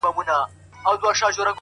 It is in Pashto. انډیوالۍ کي چا حساب کړی دی ،